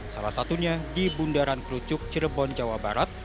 salah satunya di bundaran kerucuk cirebon jawa barat